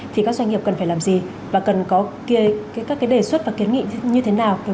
thì các doanh nghiệp cần phải làm gì và cần có các đề xuất và kiến nghị như thế nào